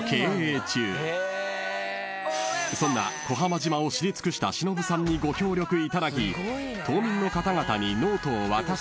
［そんな小浜島を知り尽くした忍さんにご協力いただき］